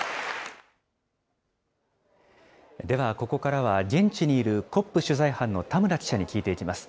では、ここからは現地にいるＣＯＰ取材班の田村記者に聞いていきます。